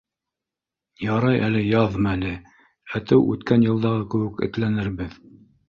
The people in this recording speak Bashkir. Ярай әле яҙ мәле, әтеү үткән йылдағы кеүек этләнербеҙ.